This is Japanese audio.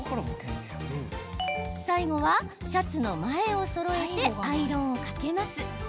最後はシャツの前をそろえてアイロンをかけます。